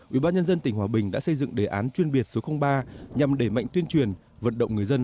ủy ban nhân dân tỉnh hòa bình đã xây dựng đề án chuyên biệt số ba nhằm đẩy mạnh tuyên truyền vận động người dân